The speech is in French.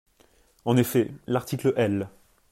En effet, l’article L.